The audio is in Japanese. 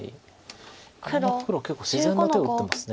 あの黒は結構自然な手を打ってます。